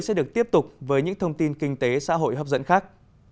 sẽ được tiếp tục với những thông tin kinh tế xã hội hấp dẫn khác